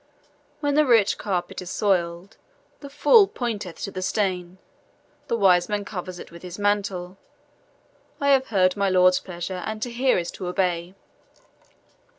"When the rich carpet is soiled, the fool pointeth to the stain the wise man covers it with his mantle. I have heard my lord's pleasure, and to hear is to obey."